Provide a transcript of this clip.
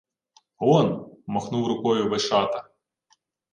— Он! — махнув рукою Вишата.